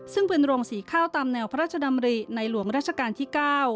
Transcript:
ซึ่งเป็นโรงสีข้าวตามแนวพระราชดำริในหลวงราชการที่๙